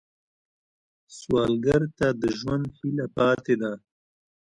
سوالګر ته د ژوند هیله پاتې ده